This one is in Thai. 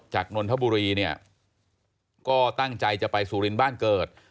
นนทบุรีเนี่ยก็ตั้งใจจะไปสุรินทร์บ้านเกิด